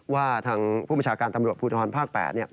ว่าทางผู้บัญชาการตำรวจภูทรภาค๘